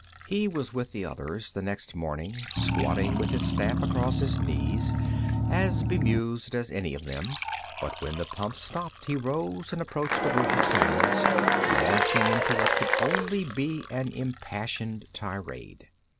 He was with the others, the next morning, squatting with his staff across his knees, as bemused as any of them, but when the pump stopped he rose and approached a group of Terrans, launching into what could only be an impassioned tirade.